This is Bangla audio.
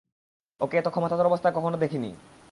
ওকে এত ক্ষমতাধর অবস্থায় কখনো দেখিনি।